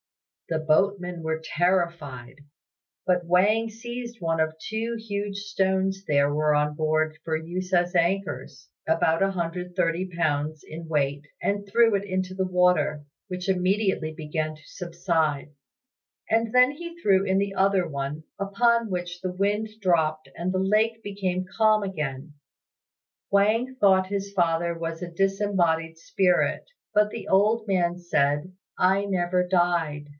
The boatmen were terrified, but Wang seized one of two huge stones there were on board for use as anchors, about 130 lbs. in weight, and threw it into the water, which immediately began to subside; and then he threw in the other one, upon which the wind dropped, and the lake became calm again. Wang thought his father was a disembodied spirit, but the old man said, "I never died.